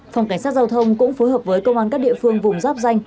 phòng cảnh sát giao thông cũng phối hợp với công an các địa phương vùng giáp danh